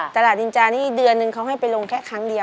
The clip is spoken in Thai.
ตลาดนินจานี่เดือนนึงเขาให้ไปลงแค่ครั้งเดียว